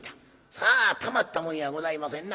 さあたまったもんやございませんな。